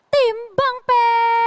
tim bang pen